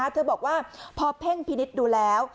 เธอบอกว่าพอเพ่งพินิษฐ์ดูแล้ว